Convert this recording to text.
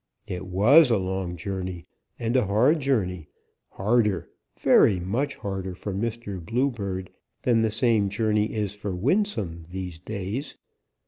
It was a long journey and a hard journey, harder, very much harder for Mr. Bluebird than the same journey is for Winsome these days.